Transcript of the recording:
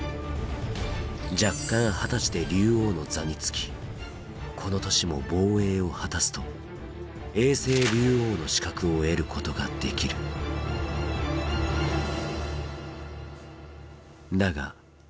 弱冠二十歳で竜王の座につきこの年も防衛を果たすと永世竜王の資格を得ることができるだが渡辺は開幕から３連敗。